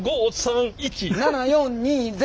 ７４２０！